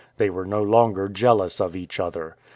They were no longer jealous of each other.